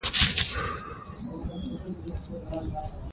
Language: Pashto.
د واک ناوړه چلند پایله لري